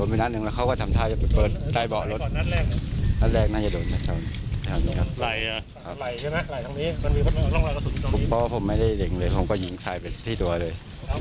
เพราะว่าผมไม่ได้เล็งเลยผมก็ยิงใส่ไปที่ตัวเลย